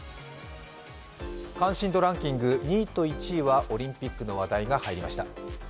関心度ランキング２位と１位はオリンピックの話題が入りました。